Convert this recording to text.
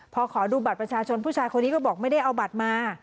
พอขอดูบัตรประชาชนผู้ชายคนนี้ก็บอกไม่ได้เอาบัตรมา